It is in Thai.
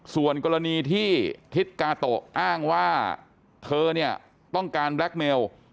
ส่วนกรณีที่ทิศกาโตะอ้างว่าเธอเนี่ยต้องการแบล็คเมล